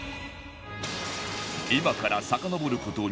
今からさかのぼる事